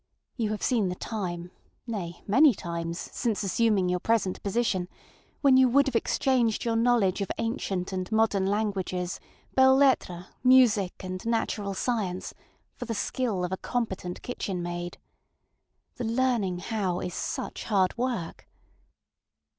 You have seen the timeŌĆönay, many times since assuming your present positionŌĆöwhen you would have exchanged your knowledge of ancient and modern languages, belles lettres, music, and natural science, for the skill of a competent kitchen maid. The ŌĆ£learning howŌĆØ is such hard work!